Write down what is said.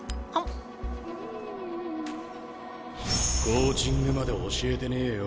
コーチングまで教えてねえよ。